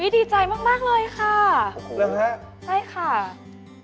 ดีใจมากเลยค่ะได้ค่ะโอ้โฮโอ้โฮ